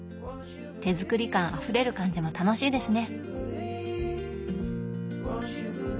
手作り感あふれる感じも楽しいですね。